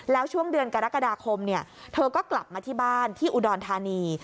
แล้วช่วงเดือนกรกฎาคมเธอก็กลับมาที่บ้านที่อุดรธานี